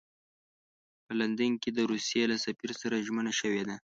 په لندن کې د روسیې له سفیر سره ژمنه شوې ده.